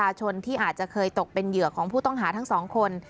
ชนที่อาจจะเคยตกเป็นเหยื่อของผู้ต้องหาทั้งสองคน